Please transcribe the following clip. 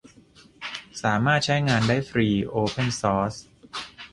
สามารถใช้งานได้ฟรี โอเพนซอร์ส